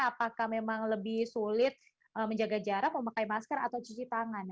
apakah memang lebih sulit menjaga jarak memakai masker atau cuci tangan